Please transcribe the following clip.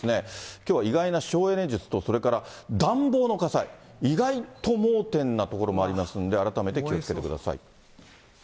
きょうは意外な省エネ術と、それから暖房の火災、意外と盲点なところもありますんで、改めて気をつけてください。